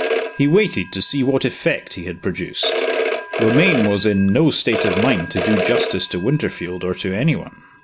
He waited to see what effect he had produced. Romayne was in no state of mind to do justice to Winterfield or to any one.